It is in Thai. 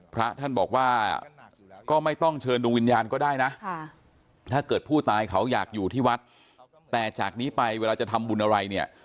พระท่านบอกว่าก็ไม่ต้องเชิญดวงวิญญาณก็ได้นะถ้าเกิดผู้ตายเขาอยากอยู่ที่วัดแต่จากนี้ไปเวลาจะทำบุญอะไรเนี่ย